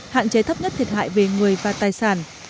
hạn chế thấp nhất thiệt hại về người và tài sản